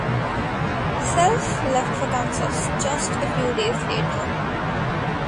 Self left for Kansas just a few days later.